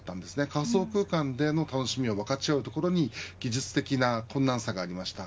仮想空間での楽しみを分かち合うというのは技術的な困難さがありました。